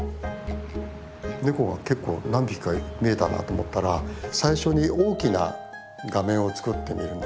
ネコが結構何匹か見えたなと思ったら最初に大きな画面を作ってみるんです。